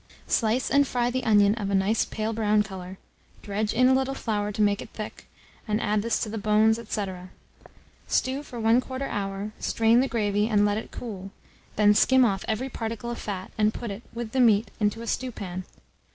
Slice and fry the onion of a nice pale brown colour, dredge in a little flour to make it thick, and add this to the bones, &c. Stew for 1/4 hour, strain the gravy, and let it cool; then skim off every particle of fat, and put it, with the meat, into a stewpan.